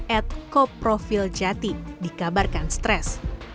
ad koprofil jati dikabarkan stres